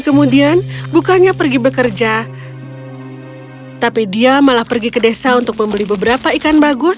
kemudian bukannya pergi bekerja tapi dia malah pergi ke desa untuk membeli beberapa ikan bagus